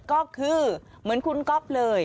ก็คือเหมือนคุณก๊อฟเลย